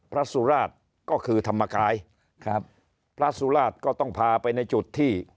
สุราชก็คือธรรมกายครับพระสุราชก็ต้องพาไปในจุดที่